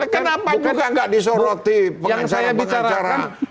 kenapa juga gak disoroti pengacara pengacara yang ngajak nego